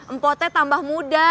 empo te tambah muda